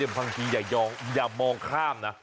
บางทีอย่ายองยาวอย่ามองข้ามนะ